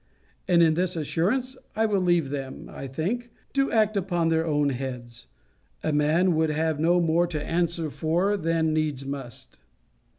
And in this assurance, I will leave them, I think, to act upon their own heads. A man would have no more to answer for than needs must.